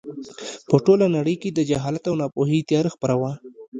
په ټوله نړۍ کې د جهالت او ناپوهۍ تیاره خپره وه.